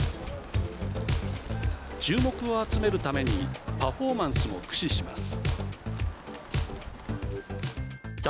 注目を集めるためにパフォーマンスも駆使します。